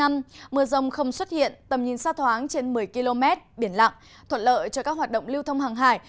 mưa rông không xuất hiện tầm nhìn xa thoáng trên một mươi km biển lặng thuận lợi cho các hoạt động lưu thông hàng hải